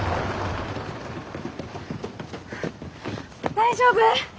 大丈夫？